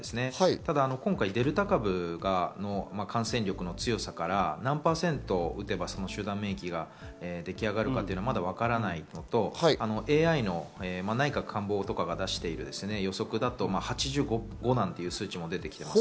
ただ今回デルタ株の感染力の強さから、何％打てば集団免疫ができ上がるかっていうのはまだ分からないのと、ＡＩの内閣官房とかが出してる予測だと、８５という数字も出てきています。